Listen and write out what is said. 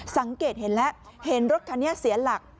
สังเกตเห็นแล้วเห็นรถคันนี้เสียหลัก